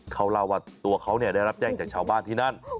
เขาเล่าว่าตัวเขาได้รับแจ้งจากชาวบ้านที่นั่น